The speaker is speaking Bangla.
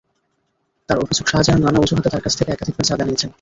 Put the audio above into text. তাঁর অভিযোগ, শাহজাহান নানা অজুহাতে তাঁর কাছ থেকে একাধিকবার চাঁদা নিয়েছেন।